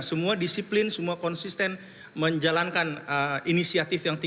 semua disiplin semua konsisten menjalankan inisiatif ini